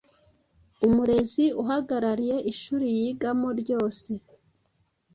umurezi uhagarariye ishuri yigamo ryose.